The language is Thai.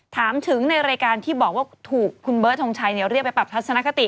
ถามถึงในรายการที่บอกว่าถูกคุณเบิร์ดทงชัยเรียกไปปรับทัศนคติ